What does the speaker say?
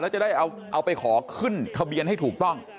จะได้เอาไปขอขึ้นทะเบียนให้ถูกต้อง